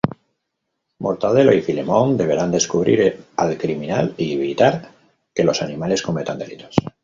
Mortadelo y Filemón deberán descubrir al criminal y evitar que los animales cometan delitos.